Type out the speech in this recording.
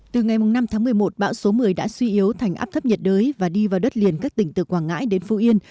từ ngày năm tháng một mươi một bão số một mươi đã suy yếu thành áp thấp nhiệt đới và đi vào đất liền các tỉnh từ quảng ngãi đến phú yên